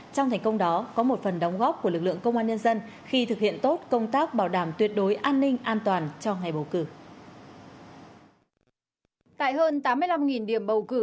trong thành công đó có một phần đóng góp của lực lượng công an nhân dân khi thực hiện tốt công tác bảo đảm tuyệt đối an ninh an toàn cho ngày bầu cử